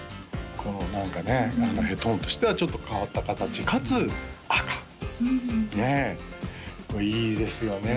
この何かねヘッドホンとしてはちょっと変わった形かつ赤ねえいいですよね